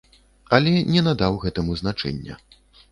Але не надаў гэтаму значэння.